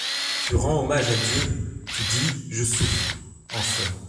Tu rends hommage à Dieu ; tu dis : Je souffre. En somme